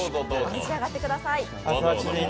召し上がってください。